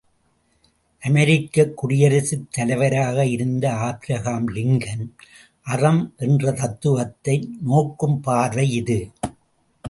அமெரிக்க குடியரசுத் தலைவராக இருந்த ஆப்ரஹாம் லிங்கன் அறம் என்ற தத்துவத்தை நோக்கும் பார்வை இது!